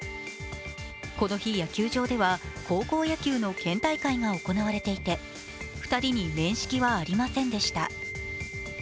この日、野球場では高校野球の県大会が行われていて２人に面識はありませんでした。